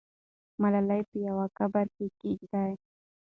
ملالۍ په یوه قبر کې کښېږده.